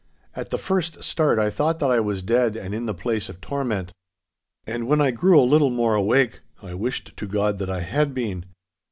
At the first start I thought that I was dead and in the place of torment. And when I grew a little more awake, I wished to God that I had been.